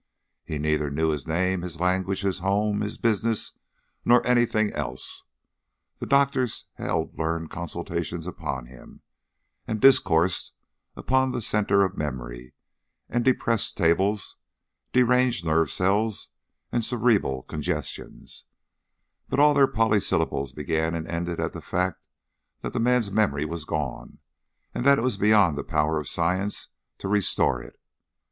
He neither knew his name, his language, his home, his business, nor anything else. The doctors held learned consultations upon him, and discoursed upon the centre of memory and depressed tables, deranged nerve cells and cerebral congestions, but all their polysyllables began and ended at the fact that the man's memory was gone, and that it was beyond the power of science to restore it.